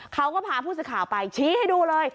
เขาก็พาผู้สื่อข่าวไปชี้ให้ดูเลย